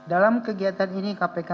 dalam kegiatan ini kpk